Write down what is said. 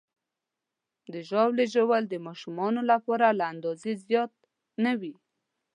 د ژاولې ژوول د ماشومانو لپاره له اندازې زیات نه وي.